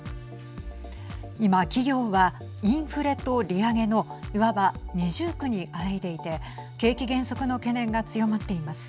今、企業はインフレと利上げのいわば、二重苦にあえいでいて景気減速の懸念が強まっています。